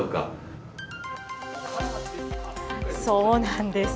そうなんです。